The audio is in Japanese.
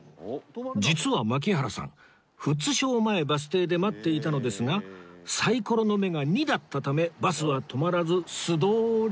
実は槙原さん富津小前バス停で待っていたのですがサイコロの目が２だったためバスは止まらず素通り